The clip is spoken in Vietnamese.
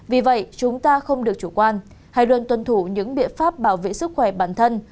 vì vậy chúng ta không được chủ quan hay luôn tuân thủ những biện pháp bảo vệ sức khỏe bản thân